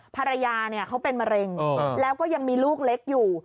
ภรรยาเขาเป็นมะเร็งแล้วก็ยังมีลูกเล็กอยู่